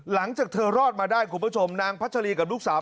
หลังจากเธอรอดมาได้คุณผู้ชมนางพัชรีกับลูกสาว